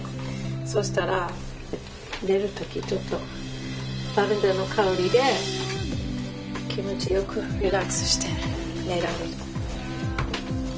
そしたら寝る時ちょっとラベンダーの香りで気持ちよくリラックスして寝られる。